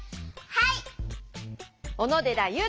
はい！